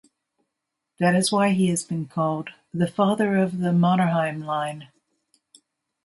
That is why he has been called ""the father of the Mannerheim line"".